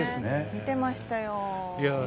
見てましたよ。